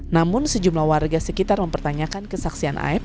namun sejumlah warga sekitar mempertanyakan kesaksian aep